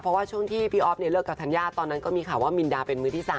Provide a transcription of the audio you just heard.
เพราะว่าช่วงที่พี่อ๊อฟเนี่ยเลิกกับธัญญาตอนนั้นก็มีข่าวว่ามินดาเป็นมือที่๓